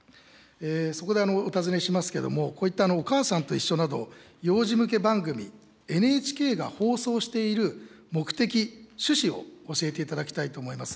そこでお尋ねしますけども、こういったおかあさんといっしょなど、幼児向け番組、ＮＨＫが放送している目的、趣旨を教えていただきたいと思います。